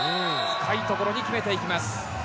深いところに決めていきます。